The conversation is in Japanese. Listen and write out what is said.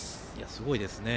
すごいですね。